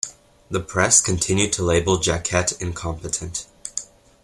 The press continued to label Jacquet incompetent.